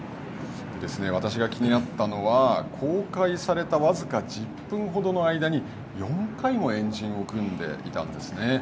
私が気になったのは、公開された僅か１０分ほどの間に４回も円陣を組んでいたんですね。